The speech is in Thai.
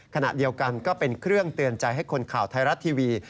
ขณะเดียวกันก็เป็นเครื่องเตือนใจให้คนข่าวไทยรัฐทีวี